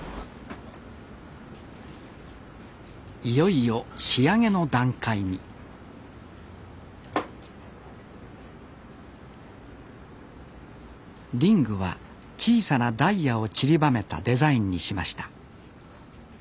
いよいよ仕上げの段階にリングは小さなダイヤを散りばめたデザインにしました。